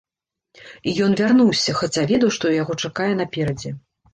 І ён вярнуўся, хаця ведаў, што яго чакае наперадзе.